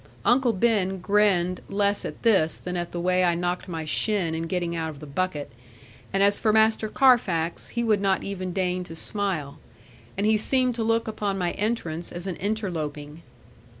Uncle Ben grinned less at this than at the way I knocked my shin in getting out of the bucket; and as for Master Carfax, he would not even deign to smile. And he seemed to look upon my entrance as an interloping.